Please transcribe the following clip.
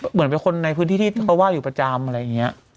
เหมือนเป็นคนในพื้นที่ที่เขาว่าอยู่ประจำอะไรอย่างนี้